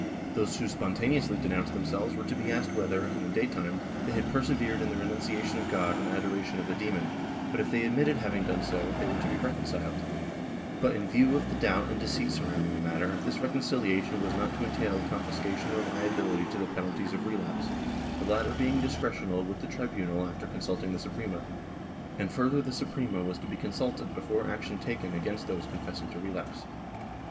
Those who spontaneously de 236 WITCHCRAFT [Book VIII noimced themselves were to be asked whether, in the day time, they had persevered in the renunciation of God and adoration of the demon; if they admitted having done so, they were to be recon ciled but, in view of the doubt and deceit surrounding the matter, this reconciliation was not to entail confiscation or liability to the penalties of relapse, the latter being discretional with the tribu nal after consulting the Suprema, and further the Suprema was to be consulted before action taken against those confessing to relapse.